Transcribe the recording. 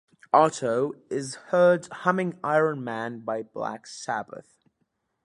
Otto is heard humming "Iron Man" by Black Sabbath.